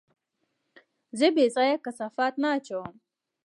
زه بېځايه کثافات نه اچوم.